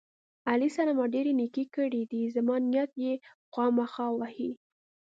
علي سره ما ډېرې نیکۍ کړې دي، زما نیت به یې خواخما وهي.